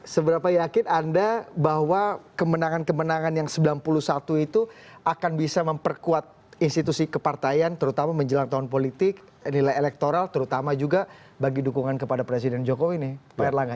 seberapa yakin anda bahwa kemenangan kemenangan yang sembilan puluh satu itu akan bisa memperkuat institusi kepartaian terutama menjelang tahun politik nilai elektoral terutama juga bagi dukungan kepada presiden jokowi nih pak erlangga